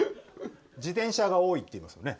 自転車が多いっていいますよね。